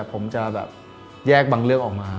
ผมจะแบบแยกบางเรื่องออกมา